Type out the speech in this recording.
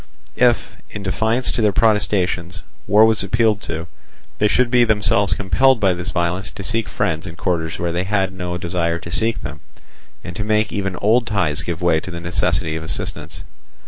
If, in defiance of their protestations, war was appealed to, they should be themselves compelled by this violence to seek friends in quarters where they had no desire to seek them, and to make even old ties give way to the necessity of assistance.